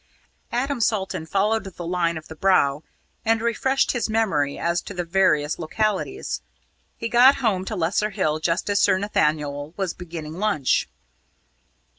Adam Salton followed the line of the Brow, and refreshed his memory as to the various localities. He got home to Lesser Hill just as Sir Nathaniel was beginning lunch.